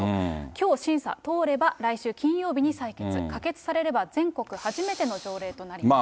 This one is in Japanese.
きょう審査通れば、来週金曜日に採決、可決されれば全国初めての条例となります。